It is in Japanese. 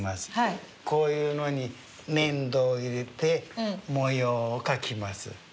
こういうのに粘土を入れて模様を描きます。